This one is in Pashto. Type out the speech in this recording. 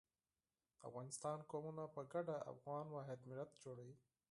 د افغانستان قومونه په ګډه افغان واحد ملت جوړوي.